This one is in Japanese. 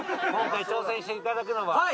今回挑戦していただくのは。